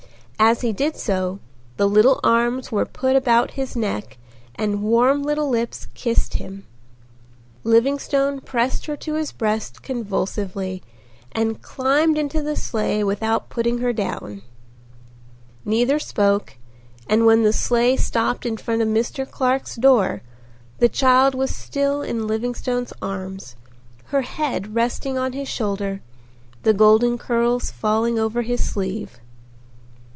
As he did so the little arms were put about his neck and warm little lips kissed him. Livingstone pressed her to his breast convulsively and climbed into the sleigh without putting her down. Neither spoke and when the sleigh stopped in front of Mr. Clark's door the child was still in Livingstone's arms, her head resting on his shoulder, the golden curls falling over his sleeve.